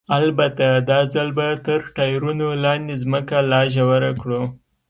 البته دا ځل به تر ټایرونو لاندې ځمکه لا ژوره کړو.